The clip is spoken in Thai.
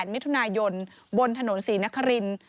มิถุนายนบนถนนศรีนครินทร์